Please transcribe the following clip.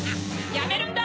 やめるんだ！